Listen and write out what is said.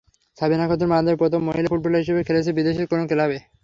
সাবিনা খাতুন বাংলাদেশের প্রথম মহিলা ফুটবলার হিসেবে খেলছেন বিদেশের কোনো ক্লাবে।